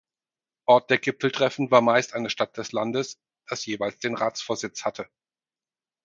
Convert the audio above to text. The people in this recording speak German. Ort der Gipfeltreffen war meist eine Stadt des Landes, das jeweils den Ratsvorsitz hatte.